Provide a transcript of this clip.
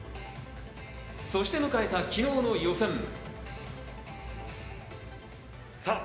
そして迎えた昨日の予選。